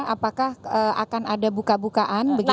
apakah akan ada buka bukaan begitu